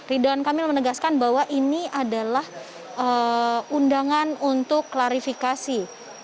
ridwan kamil menegaskan bahwa ini adalah undangan untuk klarifikasi